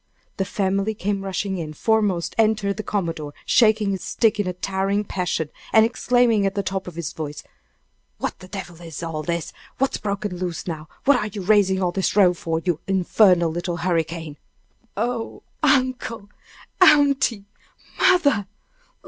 The family came rushing in. Foremost entered the commodore, shaking his stick in a towering passion, and exclaiming at the top of his voice: "What the devil is all this? What's broke loose now? What are you raising all this row for, you infernal little hurricane?" "Oh, uncle! aunty! mother!